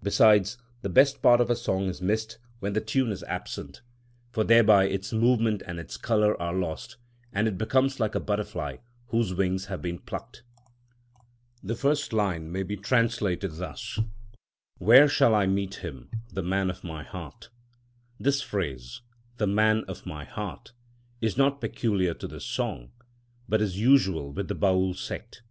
Besides, the best part of a song is missed when the tune is absent; for thereby its movement and its colour are lost, and it becomes like a butterfly whose wings have been plucked. The first line may be translated thus: "Where shall I meet him, the Man of my Heart?" This phrase, "the Man of my Heart," is not peculiar to this song, but is usual with the Baül sect.